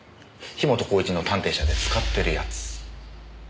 樋本晃一の探偵社で使ってるやつ。